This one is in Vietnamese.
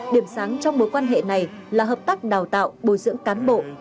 điểm sáng trong mối quan hệ này là hợp tác đào tạo bồi dưỡng cán bộ